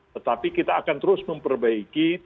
tetapi kita akan terus memperbaiki